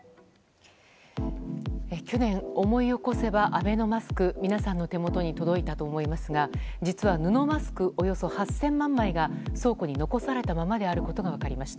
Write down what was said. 去年、思い起こせばアベノマスク皆さんの手元に届いたと思いますが実は、布マスクおよそ８０００万枚が倉庫に残されたままであることが分かりました。